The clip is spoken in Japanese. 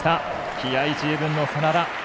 気合い十分の眞田。